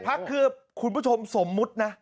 พักคือคุณผู้ชมสมมุตินะ